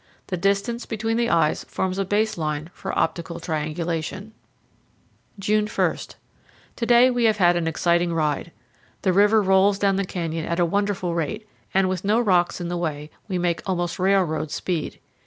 The distance between the eyes forms a base line for optical triangulation. June 1. To day we have an exciting ride. The river rolls down the canyon at a wonderful rate, and, with no rocks in the way, we make 140 powell canyons 94.jpg SCENE IN HAND. almost railroad speed.